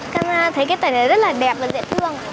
các bạn thấy cái tẩy này rất là đẹp và dễ thương